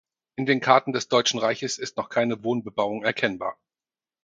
In den Karten des Deutschen Reiches ist noch keine Wohnbebauung erkennbar.